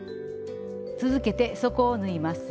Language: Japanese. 続けて底を縫います。